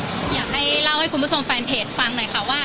อยากให้เล่าให้คุณผู้ชมแฟนเพจฟังหน่อยค่ะว่า